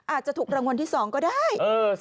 อาจจะถูกรางวัลที่๒ก็ได้